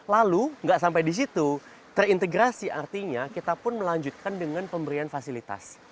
lalu nggak sampai di situ terintegrasi artinya kita pun melanjutkan dengan pemberian fasilitas